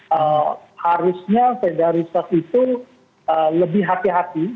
jadi harusnya pedagang itu lebih hati hati